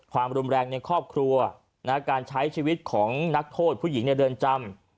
ความรุนแรงในครอบครัวการใช้ชีวิตของนักโทษผู้หญิงในเรือนจำ